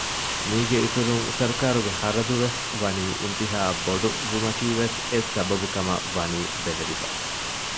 މީގެ އިތުރަށް ސަރުކާރުގެ ޚަރަދުވެސް ވަނީ އިންތިހާއަށް ބޮޑު ވުމަކީވެސް އެއް ސަބަބު ކަމަށް ވަނީ ބެލެވިފަ